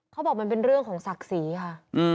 เขาบอกมันเป็นเรื่องของศักดิ์ศรีค่ะ